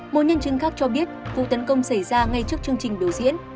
một nhân chứng khác cho biết vụ tấn công xảy ra ngay trước chương trình biểu diễn